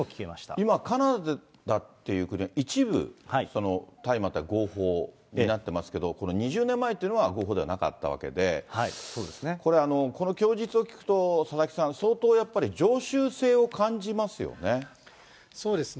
今、カナダですと一部、大麻は合法になってますけど、この２０年前というのは合法ではなかったわけで、この供述を聞くと、佐々木さん、相当やっぱり、そうですね。